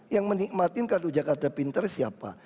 yang menikmatkan kartu jakarta pinter siapa